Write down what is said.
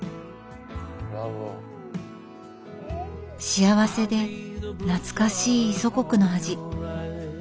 幸せで懐かしい祖国の味。